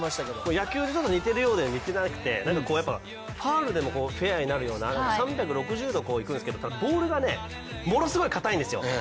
野球と似ているようで似てなくて、ファウルでもフェアになるような３６０度いくんですけどボールがね、ものすごい硬いんですよ。